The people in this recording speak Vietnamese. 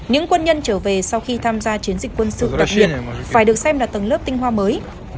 những quân nhân trở về sau khi tham gia chiến dịch quân sự đặc biệt phải được xem là tầng lớp tinh hoa mới